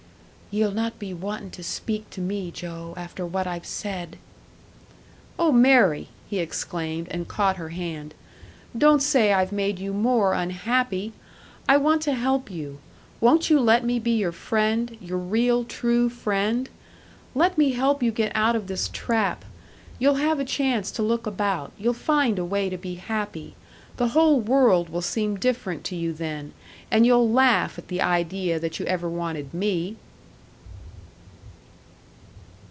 "Ye'll not be wantin' to speak to me, Joe, after what I've said." "Oh, Mary!" he exclaimed, and caught her hand, "don't say I've made you more unhappy! I want to help you! Won't you let me be your friend your real, true friend? Let me help you to get out of this trap; you'll have a chance to look about, you'll find a way to be happy the whole world will seem different to you then, and you'll laugh at the idea that you ever wanted me!"